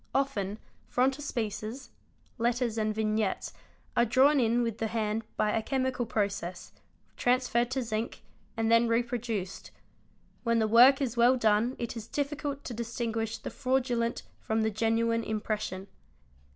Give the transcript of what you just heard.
Often frontispieces (letters and vignettes) are drawn in with the hand by a chemical process, transferred to zinc, and then reproduced ; when the work is well done it is difficult to distinguish the fraudulent from the genuine impression.